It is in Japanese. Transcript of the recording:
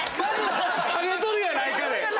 「ハゲとるやないか」で。